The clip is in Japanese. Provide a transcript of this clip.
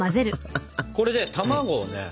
これで卵をね